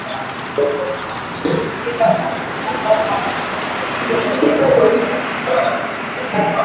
bila watangazaji ambao wanafuatilia tabia zako za kuvinjari